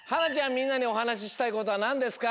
みんなにおはなししたいことはなんですか？